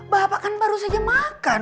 bapak kan baru saja makan